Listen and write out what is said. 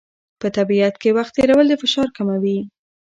په طبیعت کې وخت تېرول د فشار کموي.